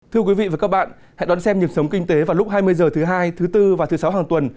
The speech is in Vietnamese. thưa quý vị và các bạn hãy đón xem nhật sống kinh tế vào lúc hai mươi h thứ hai thứ bốn và thứ sáu hàng tuần